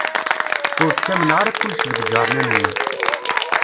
Ur ttamneɣ ara kullec deg ujernan-nni